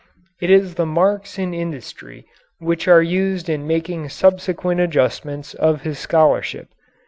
It is the marks in industry which are used in making subsequent adjustments of his scholarship.